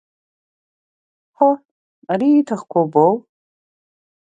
Ҳо, ари ииҭахқәоу убоу!